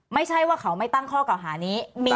ไม่ใช่ว่าเขาไม่ตั้งข้อเก่าหานี้